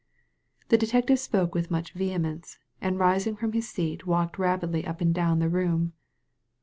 The detective spoke with much vehemence, and rising from his seat walked rapidly up and down the room.